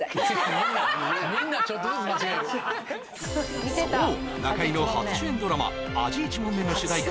みんなみんなちょっとずつ間違えるそう中居の初主演ドラマ「味いちもんめ」の主題歌